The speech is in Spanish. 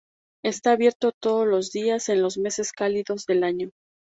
Está abierto todos los días en los meses cálidos del año.